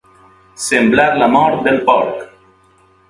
Semblar la mort del porc.